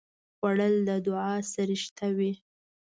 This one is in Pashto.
خوړل د دعا سره شته وي